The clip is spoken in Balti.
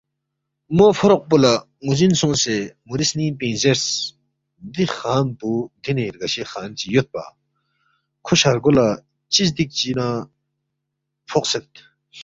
مو فوروق پو لہ ن٘وزِن سونگسے مُوری سنِنگ پِنگ زیرس، دی خان پو دینے رگشے خان چی یودپا کھو شارگو لہ چی زدِک چی نہ فوقسید